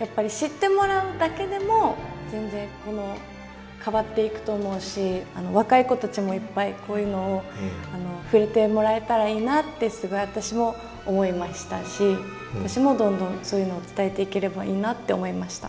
やっぱり知ってもらうだけでも全然この変わっていくと思うし若い子たちもいっぱいこういうのを触れてもらえたらいいなってすごい私も思いましたし私もどんどんそういうのを伝えていければいいなって思いました。